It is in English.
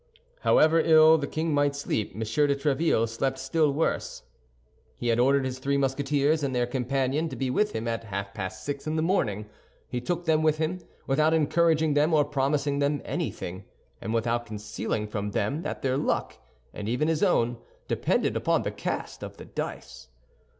However ill the king might sleep, M. de Tréville slept still worse. He had ordered his three Musketeers and their companion to be with him at half past six in the morning. He took them with him, without encouraging them or promising them anything, and without concealing from them that their luck, and even his own, depended upon the cast of the dice.